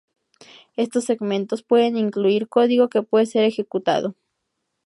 Estos segmentos pueden incluir código que puede ser ejecutado.